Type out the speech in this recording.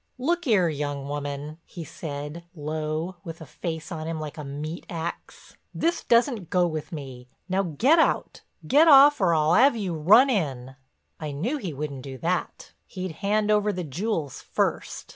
"Look 'ere, young woman," he said, low, with a face on him like a meat ax, "this doesn't go with me. Now get out; get off or I'll 'ave you run in." I knew he wouldn't do that; he'd hand over the jewels first.